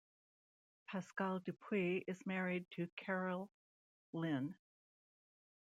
Pascal Dupuis is married to Carole-Lyne.